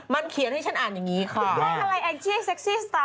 มันเขียนให้ฉันอ่านอย่างนี้ค่ะ